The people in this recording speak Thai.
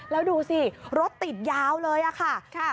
แล้วดูสิรถติดยาวเลยค่ะ